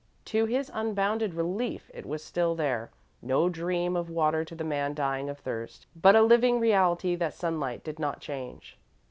To his unbounded relief, it was still there no dream of water to the man dying of thirst, but a living reality that sunlight did not change.